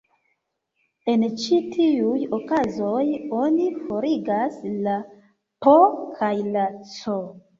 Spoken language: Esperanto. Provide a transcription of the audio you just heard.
En ĉi tiuj okazoj, oni forigas la "P" kaj la "C".